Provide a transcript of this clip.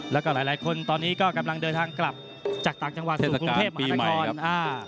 แล้วก็หลายคนตอนนี้ก็กำลังเดินทางกลับจากต่างจังหวัดกรุงเทพมหานครอ่า